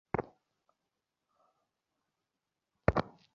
সপ্তগ্রাম নামক প্রাচীন বন্দর এই ত্রিবেণী ঘাটের কিঞ্চিৎ দূরেই সরস্বতীর উপর ছিল।